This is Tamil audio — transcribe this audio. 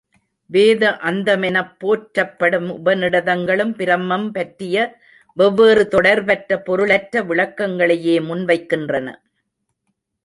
வேத அந்தமெனப் போற்றப்படும் உபநிடதங்களும் பிரமம் பற்றிய வெவ்வேறு தொடர்பற்ற, பொருளற்ற விளக்கங்களையே முன் வைக்கின்றன.